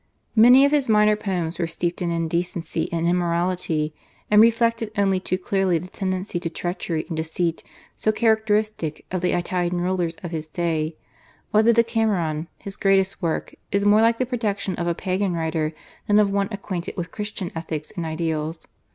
Many of his minor poems are steeped in indecency and immorality, and reflect only too clearly the tendency to treachery and deceit so characteristic of the Italian rulers of his day; while the /Decameron/, his greatest work, is more like the production of a Pagan writer than of one acquainted with Christian ethics and ideals.